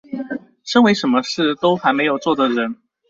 身為什麼事都還沒有做的人